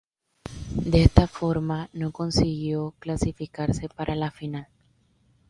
De esta forma, no consiguió clasificarse para la final.